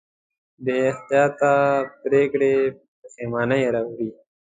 بېاحتیاطه پرېکړې پښېمانۍ راوړي.